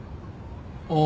ああ。